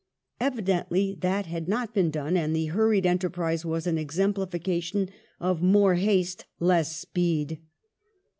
Evidently that had not been done, and the hurried enterprise was an exemplification of " more haste less speed."